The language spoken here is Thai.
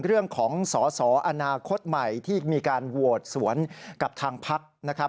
เรื่องของสอสออนาคตใหม่ที่มีการโหวตสวนกับทางพักนะครับ